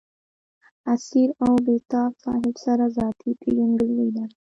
اسیر او بېتاب صاحب سره ذاتي پېژندګلوي لرم.